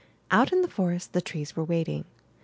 Out in the forest the trees were waiting.